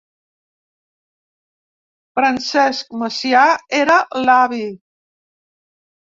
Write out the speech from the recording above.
Francesc Macià era l'Avi.